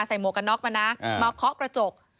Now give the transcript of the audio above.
หมวกกันน็อกมานะมาเคาะกระจก